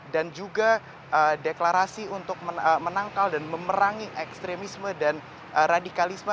juga deklarasi untuk menangkal dan memerangi ekstremisme dan radikalisme